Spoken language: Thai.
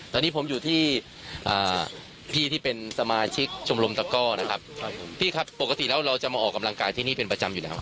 ตอนนี้ผมอยู่ที่พี่ที่เป็นสมาชิกชมรมตะก้อนะครับผมพี่ครับปกติแล้วเราจะมาออกกำลังกายที่นี่เป็นประจำอยู่แล้ว